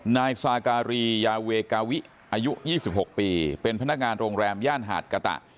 นายซาการียาเวกาวิอายุ๒๖ปีเป็นพนักงานโรงแรมย่านหาดกะตะ